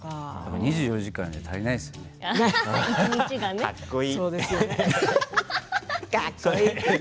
２４時間じゃ足りないですよね。